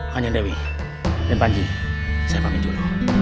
hanya dewi dan panji saya panggil